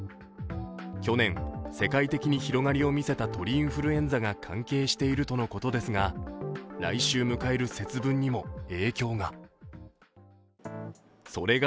去年、世界的に広がりを見せた鳥インフルエンザが関係しているとのことですが、来週迎える節分にも影響が。